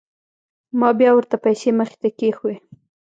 ما بيا ورته پيسې مخې ته كښېښووې.